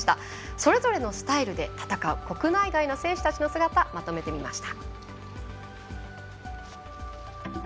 それぞれのスタイルで戦う国内外の選手の姿をまとめてみました。